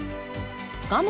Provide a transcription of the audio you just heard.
画面